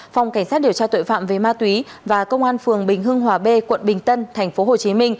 phòng cảnh sát điều tra tội phạm về ma túy và công an phường bình hưng hòa b quận bình tân tp hcm